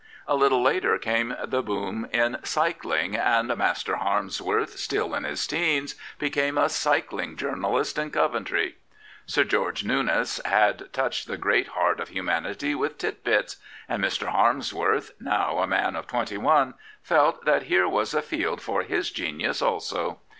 A little later came the boom in cycling, and Master Harmsworth, still in his teens, became a cycling journalist in Coventry. Sir George Newnes had touched the great heart of humanity with Tit^Bits, and Mr. Harmsworth, now a man of twenty one, felt that here was a field for his genius also.